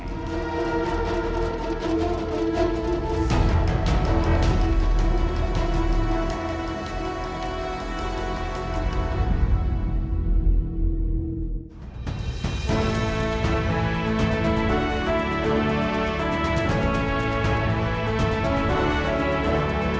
info di hulusung air